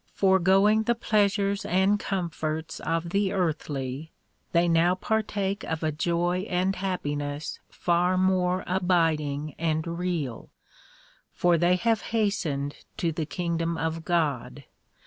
Foregoing the pleasures and comforts of the earthly, they now par take of a joy and happiness far more abiding and real; for they have hastened to the kingdom of God.